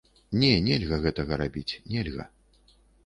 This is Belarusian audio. Не, нельга гэтага рабіць, нельга.